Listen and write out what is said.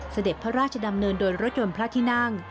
เสด็จพระราชดำเนินโดยรถยนต์พระที่นั่ง